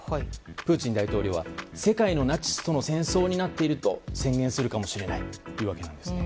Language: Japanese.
プーチン大統領は世界のナチスとの戦争になっていると宣言するかもしれないというわけなんです。